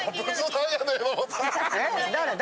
誰？